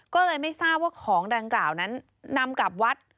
ก็เลยไม่ทราบว่าของดังกล่าวนั้นนำกลับวัด